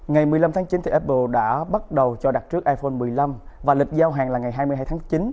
ngày một mươi năm tháng chín apple đã bắt đầu cho đặt trước iphone một mươi năm và lịch giao hàng là ngày hai mươi hai tháng chín